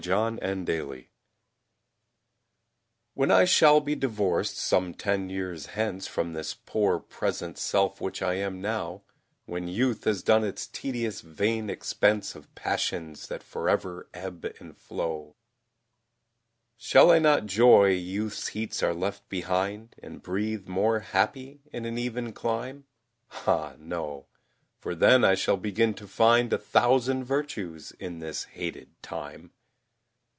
YOUTH'S AGITATIONS When I shall be divorced, some ten years hence, From this poor present self which I am now; When youth has done its tedious vain expense Of passions that for ever ebb and flow; Shall I not joy youth's heats are left behind, And breathe more happy in an even clime? Ah no, for then I shall begin to find A thousand virtues in this hated time!